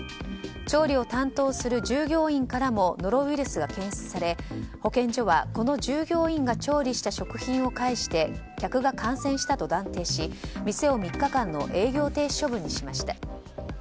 調理を担当する従業員からもノロウイルスが検出され保健所はこの従業員が調理した食品を介して客が感染したと断定し店を３日間の営業停止処分にしました。